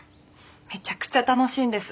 めちゃくちゃ楽しいんです。